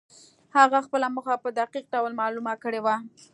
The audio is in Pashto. هغه خپله موخه په دقيق ډول معلومه کړې وه.